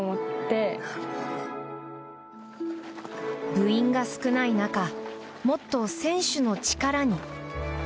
部員が少ない中もっと選手の力に。